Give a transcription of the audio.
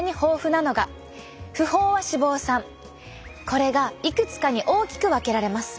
これがいくつかに大きく分けられます。